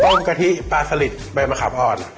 ป้องกะทิปลาเสลิศใบมะขาบอ้อน